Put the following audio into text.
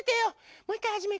もういっかいはじめから。